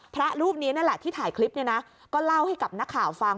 พระรูปนี้นั่นแหละที่ถ่ายคลิปเนี่ยนะก็เล่าให้กับนักข่าวฟัง